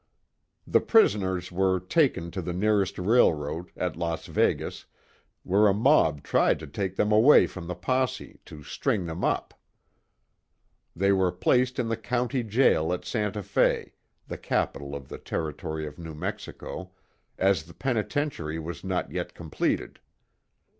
The prisoners were taken to the nearest railroad, at Las Vegas, where a mob tried to take them away from the posse, to string them up. They were placed in the County jail at Santa Fe, the capital of the Territory of New Mexico, as the penitentiary was not yet completed.